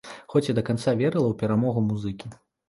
Хоць я да канца верыла ў перамогу музыкі.